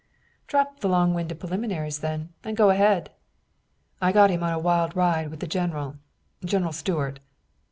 "Drop the long winded preliminaries, then, and go ahead." "I got him on a wild ride with the general, General Stuart.